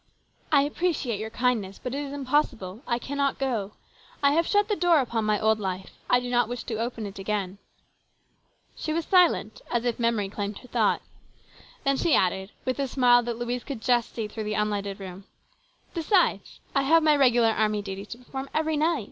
" I appre ciate your kindness, but it is impossible ; I cannot go. I have shut the door upon my old life. I do not wish to open it again." She was silent, as if memory 166 PLANS GOOD AND BAD. 167 claimed her thought. Then she added, with a smile that Louise could just see through the unlighted room :" Besides, I have my regular army duties to perform every night.